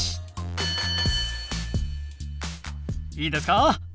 いいですか？